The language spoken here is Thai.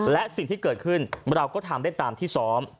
และสิ่งที่เกิดขึ้นเราก็ทำได้ตามที่ซ้อม